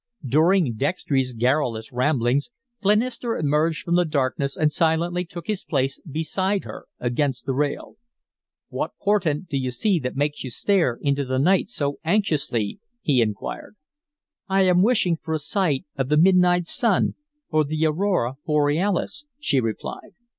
During Dextry's garrulous ramblings, Glenister emerged from the darkness and silently took his place beside her, against the rail. "What portent do you see that makes you stare into the night so anxiously?" he inquired. "I am wishing for a sight of the midnight sun or the aurora borealis," she replied.